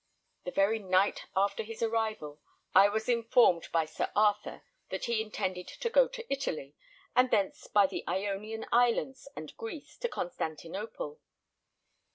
The very night after his arrival, I was informed by Sir Arthur that he intended to go to Italy, and thence by the Ionian Islands and Greece, to Constantinople.